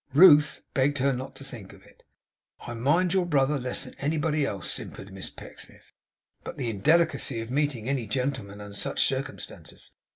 Ruth begged her not to think of it. 'I mind your brother less than anybody else,' simpered Miss Pecksniff. 'But the indelicacy of meeting any gentleman under such circumstances!